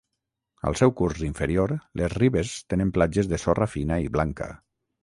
Al seu curs inferior les ribes tenen platges de sorra fina i blanca.